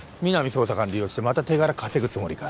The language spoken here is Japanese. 捜査官利用してまた手柄稼ぐつもりか？